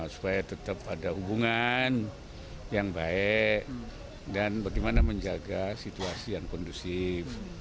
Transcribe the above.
supaya tetap ada hubungan yang baik dan bagaimana menjaga situasi yang kondusif